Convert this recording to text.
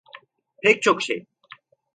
Pek çok şey.